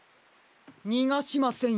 にがしませんよ。